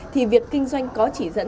thì việc kinh doanh có chỉ dẫn